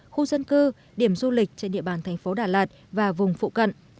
khu dân cư điểm du lịch trên địa bàn thành phố đà lạt và vùng phụ cận